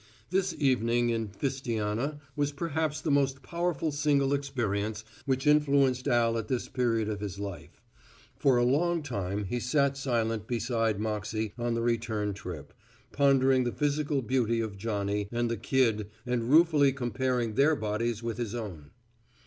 This evening in fistiana was perhaps the most powerful single experience which influenced Al at this period of his life. For a long time he sat silent beside Moxey on the return trip, pondering the physical beauty of Johnny and the Kid and ruefully comparing their bodies with his own.